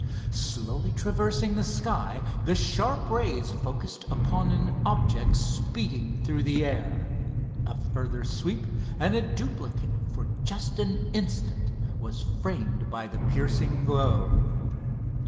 Slowly traversing the sky, the sharp rays focused upon an object speeding through the air. A further sweep, and a duplicate for just an instant was framed by the piercing glow.